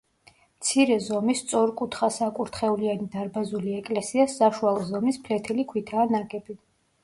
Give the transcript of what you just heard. მცირე ზომის სწორკუთხასაკურთხევლიანი დარბაზული ეკლესია საშუალო ზომის ფლეთილი ქვითაა ნაგები.